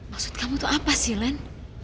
maksud kamu itu apa sih len